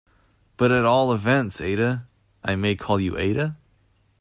But at all events, Ada — I may call you Ada?